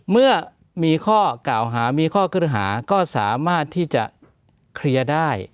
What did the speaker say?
เมื่อมีข้อกล่าวหามีข้อกฤหาก็สามารถที่จะเคลียร์ได้